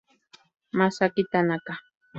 Masaki Tanaka